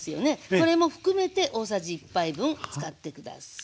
これも含めて大さじ１杯分使って下さい。